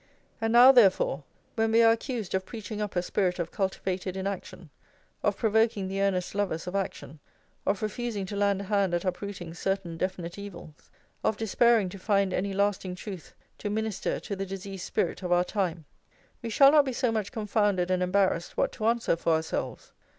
And now, therefore, when we are accused of preaching up a spirit of cultivated inaction, of provoking the earnest lovers of action, of refusing to lend a hand at uprooting certain definite evils, of despairing to find any lasting truth to minister to the diseased spirit of our time, we shall not be so much confounded and embarrassed what to answer for ourselves.